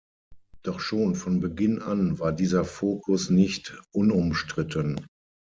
Doch schon von Beginn an war dieser Fokus nicht unumstritten.